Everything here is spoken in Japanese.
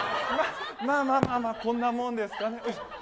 まあまあまあ、こんなもんですかね。